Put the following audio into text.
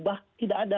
bah tidak ada